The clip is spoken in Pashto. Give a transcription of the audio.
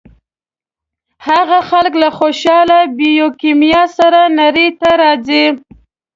هغه خلک له خوشاله بیوکیمیا سره نړۍ ته راځي.